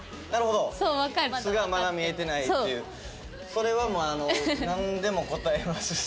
それはもうなんでも答えますし。